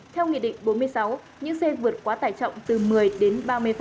theo nghị định bốn mươi sáu những xe vượt quá tải trọng từ một mươi đến ba mươi